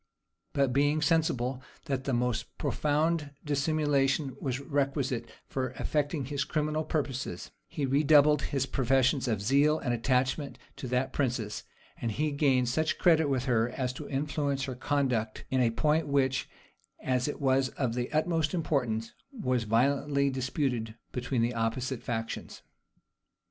But being sensible that the most profound dissimulation was requisite for effecting his criminal purposes, he redoubled his professions of zeal and attachment to that princess; and he gained such credit with her as to influence her conduct in a point which, as it was of the utmost importance, was violently disputed between the opposite factions.